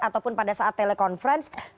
ataupun pada saat telekonferensi